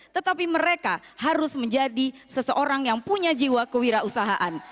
tetapi mereka harus menjadi seseorang yang punya jiwa kewirausahaan